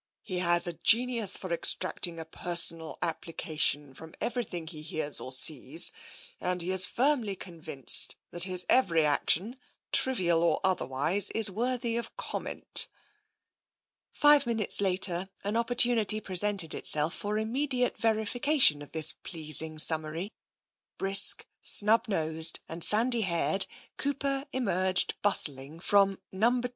He has a genius for extracting a personal application from everything he hears or sees, and he is firmly convinced that his every action, trivial or otherwise, is worthy of comment." Five minutes later an opportunity presented itself for immediate verification of this pleasing summary. Brisk, snub nosed and sandy haired, Cooper emerged bustling from " No. II.